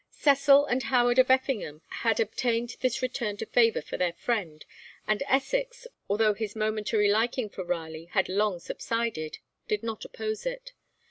Cecil and Howard of Effingham had obtained this return to favour for their friend, and Essex, although his momentary liking for Raleigh had long subsided, did not oppose it.